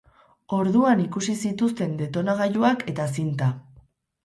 Orduan ikusi zituzten detonagailuak eta zinta.